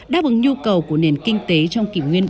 đáp ứng nhu cầu của nền kinh tế trong kỷ nguyên